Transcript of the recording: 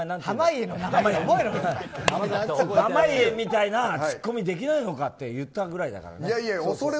濱家みたいなツッコミをできないのかってお前に言ったくらいだからね。